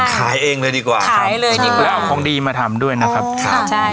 ขายเองเลยดีกว่าขายเลยดีกว่าแล้วเอาของดีมาทำด้วยนะครับครับใช่